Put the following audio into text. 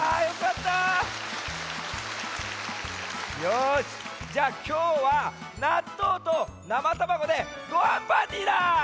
よしじゃあきょうはなっとうとなまたまごでごはんパーティーだ！